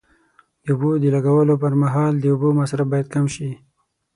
د اوبو د لګولو پر مهال د اوبو مصرف باید کم شي.